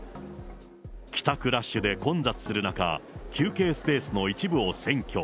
帰宅ラッシュで混雑する中、休憩スペースの一部を占拠。